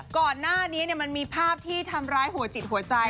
ก่อนหน้านี้มันมีภาพที่ทำร้ายหัวจิตหัวใจ